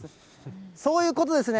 そういうことですね。